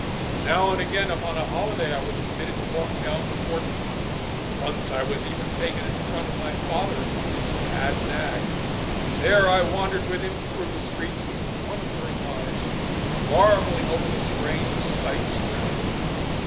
Now and again upon a holiday I was permitted to walk down to Portsmouth once I was even taken in front of my father upon his pad nag, and there I wandered with him through the streets with wondering eyes, marvelling over the strange sights around me.